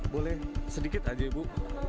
boleh sedikit aja bu